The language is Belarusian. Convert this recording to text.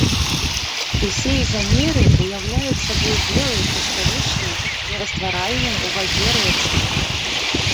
Усе ізамеры ўяўляюць сабой белыя крышталічныя нерастваральныя ў вадзе рэчывы.